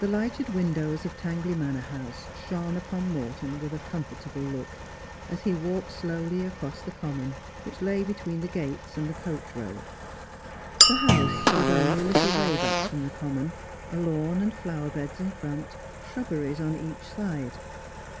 The lighted windows of Tangley Manor House shone upon Morton with a comfortable look, as he walked slowly across the common which lay between the gates and the coach road. The house stood only a little way back from the common, a lawn and flower beds in front, shrubberies on each side.